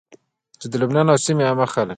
چې د لبنان او سيمي عامه خلک